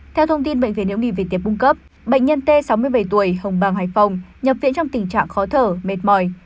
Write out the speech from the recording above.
theo thông tin bệnh viện nhiễu nghị việt tip cung cấp bệnh nhân t sáu mươi bảy tuổi hồng bàng hải phòng nhập viện trong tình trạng khó thở mệt mỏi